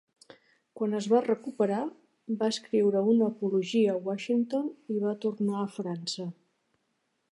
Quan es va recuperar, va escriure una apologia a Washington i va tornar a França.